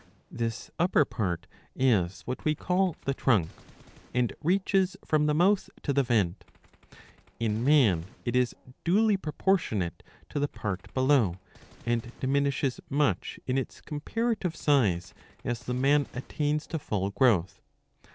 ^ This upper part is what we call the trunk, and reaches, from the mouth to the vent. In man it is duly proportionate to the part below, and diminishes much in its comparative size as the man attains to full growth.